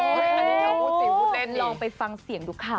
ลองไปฟังเสียงดูค่ะ